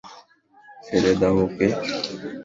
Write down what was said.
ছেড়ে দাও ওকে!